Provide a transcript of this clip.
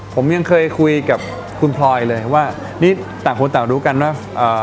ผมยังเคยคุยกับคุณพลอยเลยว่านี่ต่างคนต่างรู้กันว่าเอ่อ